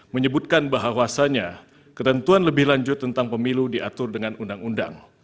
menyebutkan bahwasannya ketentuan lebih lanjut tentang pemilu diatur dengan undang undang